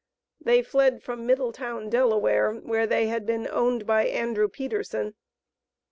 They fled from Middletown, Delaware, where they had been owned by Andrew Peterson.